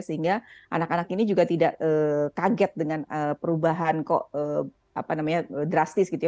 sehingga anak anak ini juga tidak kaget dengan perubahan drastis gitu ya